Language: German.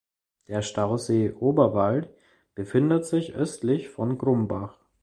Der Stausee Oberwald befindet sich östlich von Grumbach.